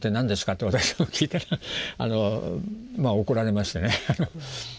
って私も聞いたらまあ怒られましてね。